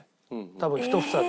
多分１房で。